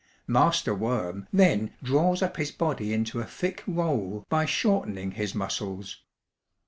Master Worm then draws up his body into a thick roll by shortening his muscles.